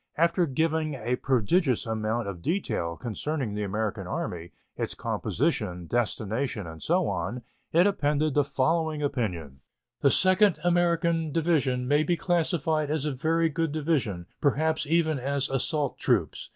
After giving a prodigious amount of detail concerning the American Army, its composition, destination, and so on, it appended the following opinion: "The 2d American Division may be classified as a very good division, perhaps even as assault troops.